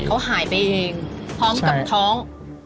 เขาหายไปเองพร้อมกับท้อง